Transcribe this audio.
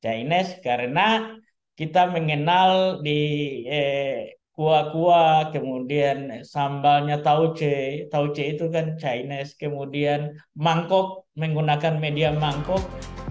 chinese karena kita mengenal di kuah kuah kemudian sambalnya tauce itu kan chinese kemudian mangkok menggunakan media mangkok